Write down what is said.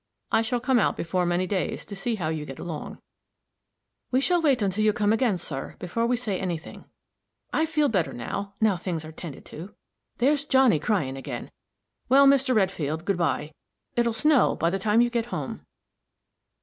I shall come out before many days, to see how you get along." "We shall wait until you come again, sir, before we say any thing. I feel better, now things are 'tended to. There's Johnny crying again! Well, Mr. Redfield, good by. It'll snow by the time you get home."